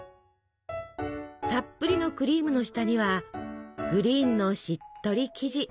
たっぷりのクリームの下にはグリーンのしっとり生地。